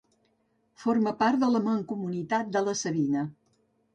Forma part de la mancomunitat de la Sabina.